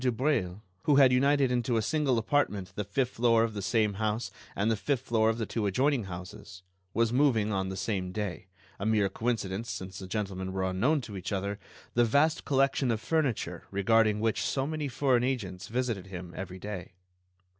Dubreuil, who had united into a single apartment the fifth floor of the same house and the fifth floor of the two adjoining houses, was moving on the same day—a mere coincidence, since the gentlemen were unknown to each other—the vast collection of furniture regarding which so many foreign agents visited him every day.